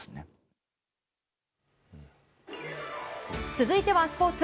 続いてはスポーツ。